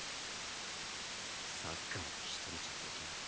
サッカーは１人じゃできない。